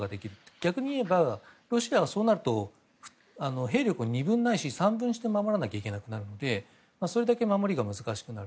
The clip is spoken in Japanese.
逆に言えばロシアはそうなると兵力を二分ないし、三分して守らなければいけないのでそれだけ守りが難しくなる。